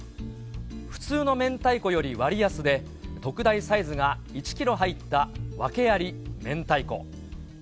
普通のめんたいこより割安で、特大サイズが１キロ入った訳ありめんたいこ。